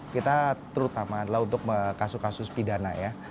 kita terutama adalah untuk kasus kasus pidana ya